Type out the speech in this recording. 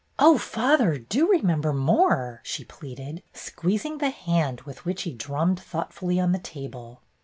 "Oh, father, do remember more!" she pleaded, squeezing the hand with which he drummed thoughtfully on the table.